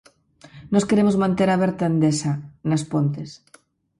Nós queremos manter aberta Endesa, nas Pontes.